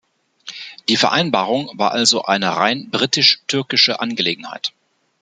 Die Vereinbarung war also eine rein britisch-türkische Angelegenheit.